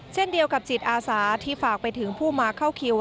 เช่นเดียวกับจิตอาสาที่ฝากไปถึงผู้มาเข้าคิว